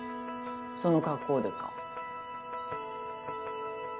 その格好でか。